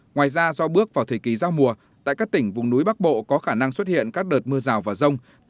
ngoài ra do bước vào thời kỳ giao mùa tại các tỉnh vùng núi bắc bộ có khả năng xuất hiện các đợt mưa rào và rông